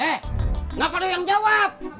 eh nggak ada yang jawab